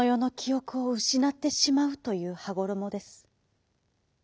おくをうしなってしまうというはごろもです。